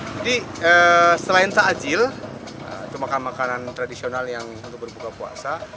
jadi selain ta ajil itu makanan makanan tradisional yang untuk berbuka puasa